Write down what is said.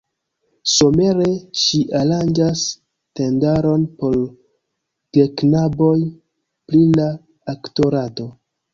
Somere ŝi aranĝas tendaron por geknaboj pri la aktorado.